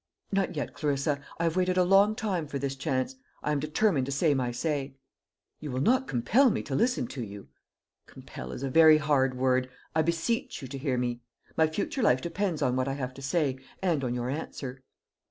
"Not yet, Clarissa. I have waited a long time for this chance. I am determined to say my say." "You will not compel me to listen to you?" "Compel is a very hard word. I beseech you to hear me. My future life depends on what I have to say, and on your answer."